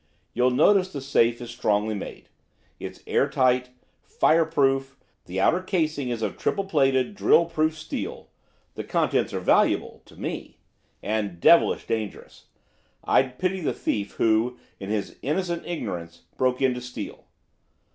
You'll notice the safe is strongly made, it's air tight, fire proof, the outer casing is of triple plated drill proof steel, the contents are valuable to me! and devilish dangerous, I'd pity the thief who, in his innocent ignorance, broke in to steal.